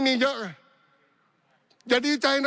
ปี๑เกณฑ์ทหารแสน๒